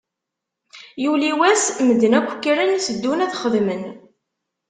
Yuli wass, medden akk kkren, teddun ad xedmen.